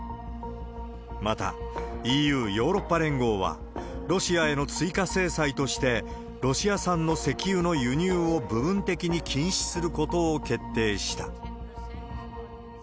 また、ＥＵ・ヨーロッパ連合は、ロシアへの追加制裁として、ロシア産の石油の輸入を部分的に禁止することを決定した。